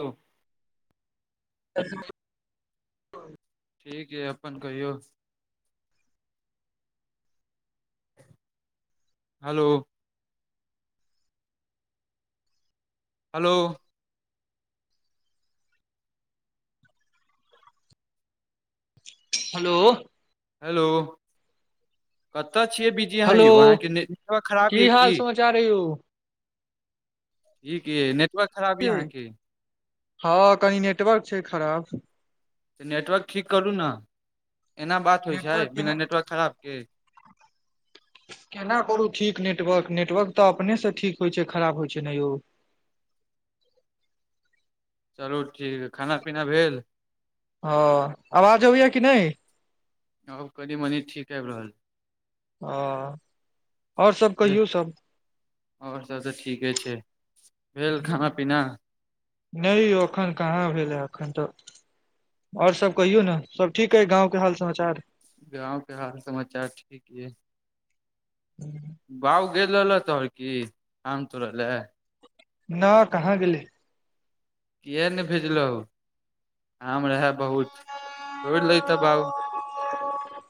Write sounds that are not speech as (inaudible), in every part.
Hello (unintelligible) ठीक है अपन कहियौ हेलो हेलो हेलो हेलो कतय छियै बिजी अहाँ हेलो यौ अहाँके नेटवर्क खराब यए की (unintelligible) ई के नेटवर्क खराब यै यहाँ के हँ कनि नेटवर्क छै खराब तऽ नेटवर्क ठीक करू ने एना बात होइ छै नेटवर्क केना बिना नेटवर्क खराबके केना करू ठीक नेटवर्क नेटवर्क तऽ अपनेसँ ठीक होइ छै खराब होइत छै नऽ यौ चलू ठीक है खाना पीना भेल हऽ आवाज अबैय कि नहि आब कनि मनि ठीक आबि रहल हँ आओर सब भेल कहियऔ सब आओर सब तऽ ठीके छै भेल खाना पीना नहि यो एखन कहाँ भेलै एखन तऽ ओर सब कहियौ नऽ सब ठीक हय गाँंव के हाल समाचार गाँवके हाल समाचार ठीक ये (unintelligible) बउ गेल रहल तोहर की आम तोड़ऽ लए नऽ कहाँ गेलै किएक नहि भेजलहू आम रहै बहुत तोड़ि लतऽ बाब (unintelligible)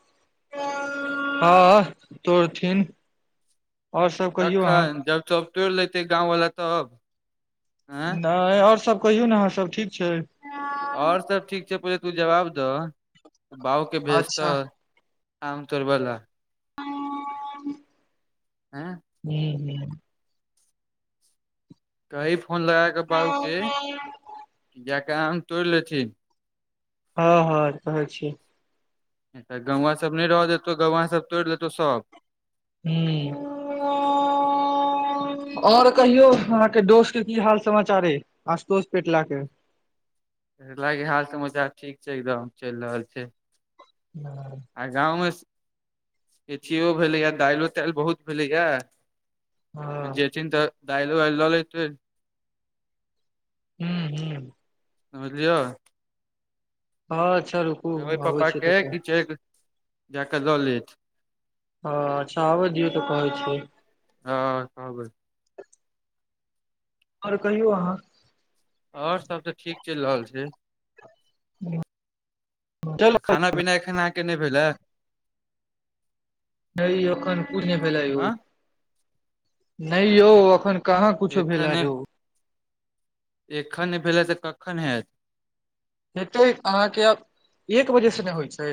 हँ तोरथिन आओर सब कहियौ अहाँ कखन जब सब तोड़ि लेते गाँंवला तब आँ नहि आओर सभ कहियौ ने अहाँ सब ठीक छै आओर सब ठीक छै पहिले तू जवाब दह त बाबके भेजतह अच्छा आाम तोरब ले (inaudible) आँ हू ह कही फोन लगााकऽ बाबूके जका आम तोड़ि लेथिन हँ हँ कहै छी नहि तऽ गौवा सब नहि रहहि देतौ गौवा सब तोड़ि लेतौ सभ हू और कहियौ अहाँके दोस्त के की हाल समाचार आशुतोष पेटला के पेटला के हाल समाचार ठीक छै एकदम चलि रहल छै (inaudible) आ गाँवमे पचियो भेलैएा दालो तालि बहुत भेलैएा हूँ जेथिन तऽ दायलो वाल लतै हू हू समझलियौ हँ छलू कबहै पापा के कि चलि जा कऽ लऽ लेत ह अच्छा आबै दियौ तऽ कहै छी हँ कबहै आओर कहियौ अहाँ आओर सब त ठीक चल रहल छै चलू त खाना पीना एखन अहाँके नहि भेलै नहि एखन कुछ न भेल यौ हँ नहि यौ जान। कहाँ कुछ भेल ह एखन यौ एखन नहि भेलै तऽ कखन हैत हेतै अहाँके आब एक बजेसँ नहि होइत छै?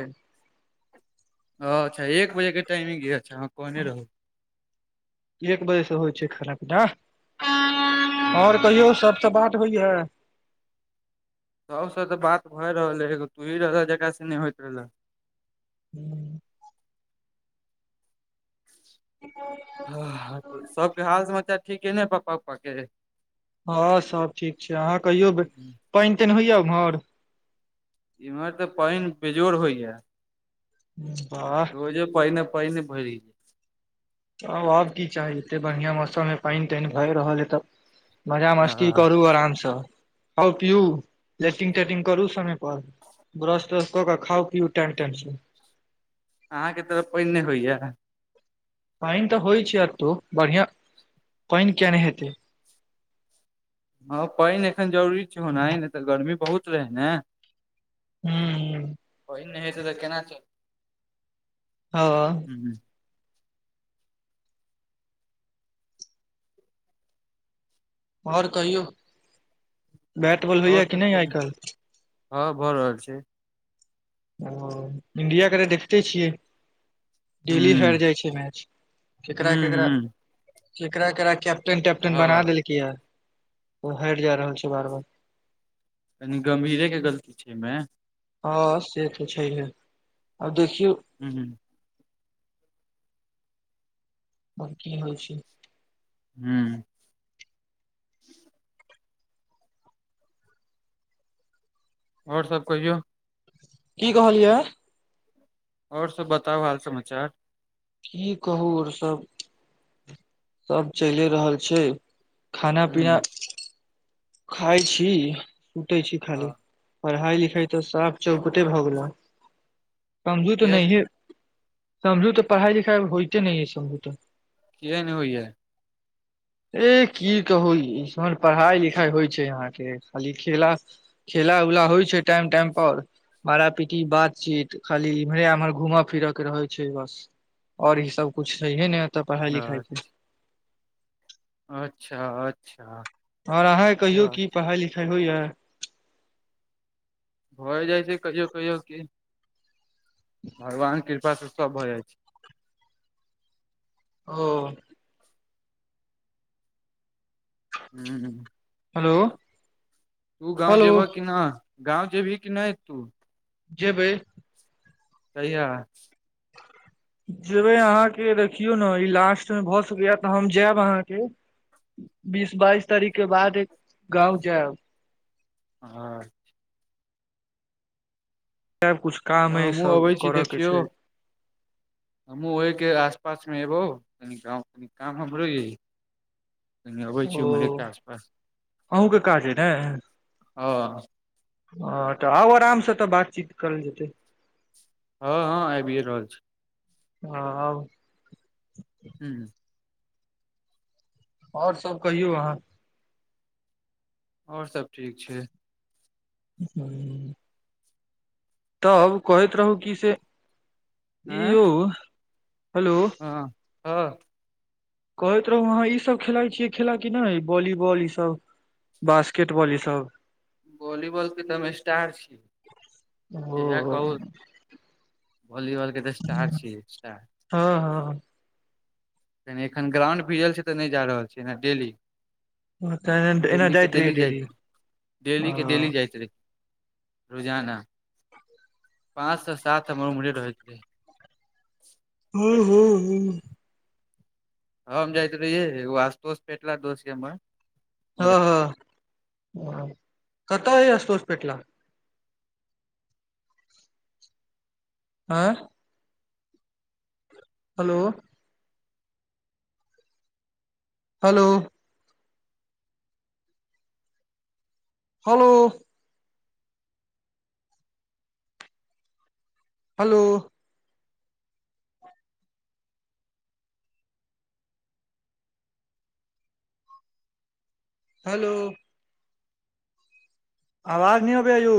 अच्छा एक बजे के टाइमिंगग य अच्छा हाँ कहने रहू। एक बजे से होइ छै खाना पीना आओर हँ कहियौ सबसँ बात होइया? सबसँ तऽ बात भए रहल है एगो तोही रहऽ जकरासँ नहि होइत रहले। हू (inaudible) (unintelligible) हँ सबके हाल समाचार ठीके ने पप्पा उप्पा के? हँ सब ठीक छै अहाँ कहियौ पानि तानि होइया एम्हर? इम्हर ते पानि बेजोड़ होइया। (unintelligible) बा रोज पैने पने भरि। आब आब की चाही एते बढ़िआँ मौसममे पानि तानि भए रहल ह तऽ? मजा मस्ती हँ करु आराम से खाउ पीऊ लेट्रंग तेट्रिंग करु समय पर। पर ब्रश त्रश कऽ के खाउ पीउ टाइम टाइम श अहाँके तऽ पानि नहि होइया? पानि तऽ होइ छै एतौ बढ़िियां पानि के नहि हेतै। हँ पाइन एखन जरूरी छै ओना नय तऽ गर्मी बहुत रहै ने हूँ पाइन नय हेतै तऽ केना चल हँ हूँ ओर कहियौ बैट बॉल ओर होइया कि नहि सब आइ काल्हि (inaudible) हँ भऽ रहल छै ओ इंडिया के तऽ देखते छियै डेली हाइर हुँ जाइ छै मैच ककरा हुँ ककरा। हुँ केकेरा ककरा कैप्टन टैप्टन बना हँ देलकै य ओ हेर जा रहल छै बार बार कनी गंभीरे के गलती छै ऐमे हँ से तऽ छैहे आब देखियौ हूँ हूँ ओर की होइ छै हूँ ओर सब कहियौ की कहलियै ओर सब बताउ हाल समाचार की कहू और सब सब चइले रहल छै खाना हुँ पीना खाइ छी सुतै छी खाली हँ पढ़ाई लिखाई तऽ साफ चौकटे भऽ गेले समझू तऽ किया नहिये समझू तऽ पढ़ाइ लिखाइ होइते नय समझू तऽ किया नय होइए ए की कहू इसन पढ़ाई लिखाई होइ छै यहाँके खाली खेला खेला उला होइ छै टाइम टाइम पर मारा पीटी बातचीत खाली इम्हरे एमहर घूमऽ फिरऽ के रहै छै बस ओर ई सब कुछु छैहेने एतऽ पढ़ाई लिखाई के अच्छा अच्छा और अहाँके से कहियो बात की पढ़ाई लिखाई होइया भए जाइ छै कहियो कहियो की भगवानके कृपास से सब भऽ जाइ छै ओ हूँ हेलो तू गाँव हेलो जेबह कि नय गाँव जेबही कि नय तू जेबे कहिया (inaudible) जेबै अहाँके देखियो ने ई लास्ट मे भऽ सकैया तऽ हम जायब अहाँके बीस बइस तारीखके बाद ए गाँव जाएब हँ अच्छा तब किछ तऽ कामे हमहूँ सब अबै करऽ के छै हमूँ ओह के आस पास मे एबौ कनिक कनि काम हमरो यै कनि अबै छी उम्हरे ओ आसपास अहूँके काज अइ ने हँ ह तऽ आउ आरामसँ तऽ बातचीत करल जेतै। हँ हँ आबिए रहल छी। हँ आउ। हू। आओर सब कहियौ अहाँ। आओर सब ठीक छै। हू। तब कहैत रहू की से ई आँ यौ हेलो। हँ कहां कहैत रहू अहाँ ईसभ खेलाइ छियै खेला कि नहि वॉलीबॉल ईसभ। बास्केट बॉल ईसभ। वॉलीबॉलके तऽ हम स्टार छीियै जहिा ओ कहू भलीबल के तऽ स्टार छियै स्तर हँ हँ। एखन ग्राउंड भिजल छै तऽ नहि जा रहल छैियै डेली। तऽ एना डेलीके जाइत रहियै डेली जाइतइत डेलीके डेली हँ जाइतइत रहै। रोजाना पाँच से सात हमर उमरे रहैतै। हू हू हू। हम हम जाइत रहियै आस्तोष पेटला दोस छै हमार हँ हँ कत ह अशतोस पेटला लब। आई hello. Hello. Hello. Hello. Hello. आवाज न अबबई या ये